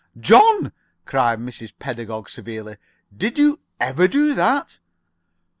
"John," cried Mrs. Pedagog, severely, "did you ever do that?"